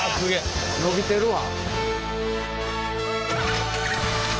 伸びてるわ！